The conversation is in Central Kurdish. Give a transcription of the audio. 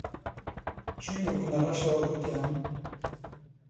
چووینە کونە ڕەشەوە گوتیان: